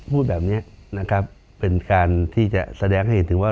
พูดแบบนี้นะครับเป็นการที่จะแสดงให้เห็นถึงว่า